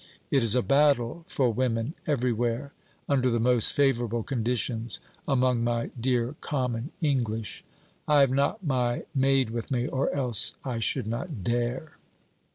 It is a battle for women everywhere; under the most favourable conditions among my dear common English. I have not my maid with me, or else I should not dare.'